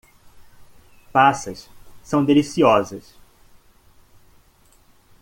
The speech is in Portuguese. Passas são deliciosas.